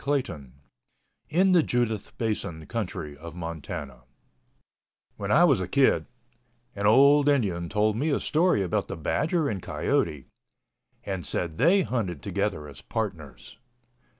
CHAPTER VII IN THE JUDITH BASIN COUNTRY OF MONTANA When I was a kid, an old Indian told me a story about the badger and coyote and said they hunted together as partners.